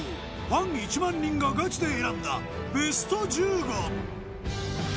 ファン１万人がガチで選んだベスト１５。